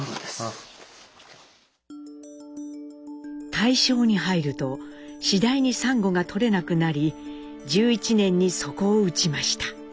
大正に入ると次第にサンゴが採れなくなり１１年に底を打ちました。